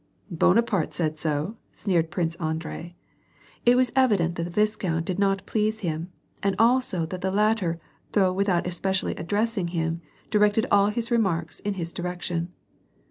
" Bonaparte said so," sneered Prince Andrei. It was evi dent that the viscount did not please him, and also that the latter though without especially addressing him, directed all his remarks in his direction.